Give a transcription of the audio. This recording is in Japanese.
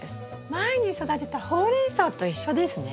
前に育てたホウレンソウと一緒ですね。